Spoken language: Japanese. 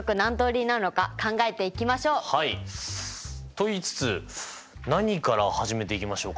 と言いつつ何から始めていきましょうか。